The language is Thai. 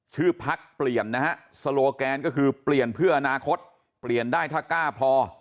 ชื่อพักเปลี่ยนนะฮะสโลแกนก็คือเปลี่ยนเพื่ออนาคตเปลี่ยนได้ถ้ากล้าพอ